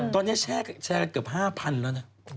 ตอนนี้แชร์กันเกือบ๕๐๐๐แล้วนะ